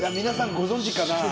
皆さんご存じかな？